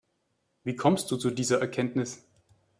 Wie kommst du zu dieser Erkenntnis?